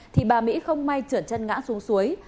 thì bà mỹ không may trượt chân ngã xuống suối